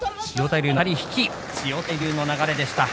千代大龍の流れでした。